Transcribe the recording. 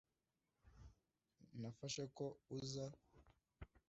nafashe ko uza